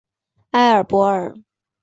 埃尔博尔。